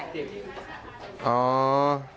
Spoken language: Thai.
ใช่